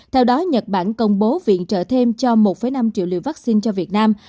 theo đó nhật bản công bố viện trợ thêm cho một năm triệu liều vaccine cho việt nam